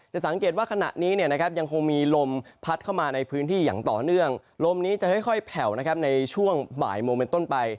จะสังเกตว่าขณะนี้เนี่ยนะครับยังคงมีลมพัดเข้ามาในพื้นที่อย่างต่อเนื่องลมนี้จะค่อยค่อยแผ่วนะครับในช่วงบ่ายโมเมนต้นไป